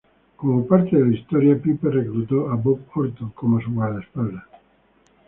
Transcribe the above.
Como parte de la historia, Piper reclutó a Bob Orton como su guardaespaldas.